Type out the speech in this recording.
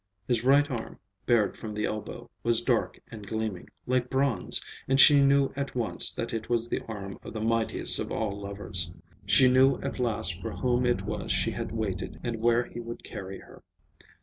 His right arm, bared from the elbow, was dark and gleaming, like bronze, and she knew at once that it was the arm of the mightiest of all lovers. She knew at last for whom it was she had waited, and where he would carry her.